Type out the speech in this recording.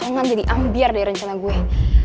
orang banyak juga pengenya whoop